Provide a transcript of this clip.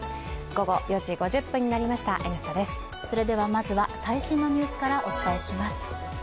まずは、最新のニュースからお伝えします。